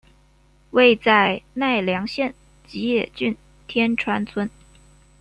位在奈良县吉野郡天川村。